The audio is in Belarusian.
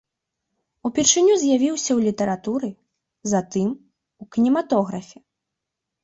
Упершыню з'явіўся ў літаратуры, затым у кінематографе.